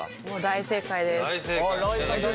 もう大正解です。